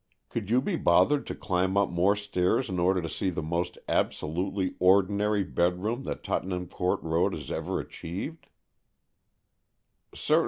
Could you be bothered to climb up more stairs in order to see the most abso lutely ordinary bedroom that Tottenham Court Road has ever achieved